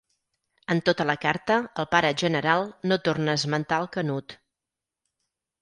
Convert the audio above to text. En tota la carta el Pare General no torna a esmentar el Canut.